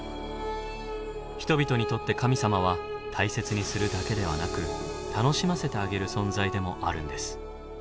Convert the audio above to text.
人々にとって神様は大切にするだけではなく楽しませてあげる存在でもあるんです。